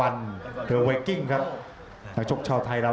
อัศวินาศาสตร์